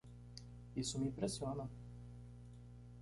Isso me impressiona!